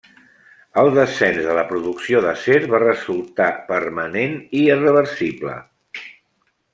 El descens de la producció d'acer va resultar permanent i irreversible.